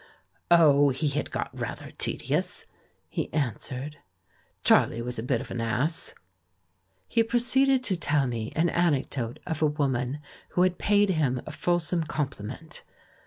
"Oh, he had got rath er tedious," he answered; "Charhe was a bit of an ass." He proceeded to tell me an anecdote of a woman who had paid him a fulsome compli ment.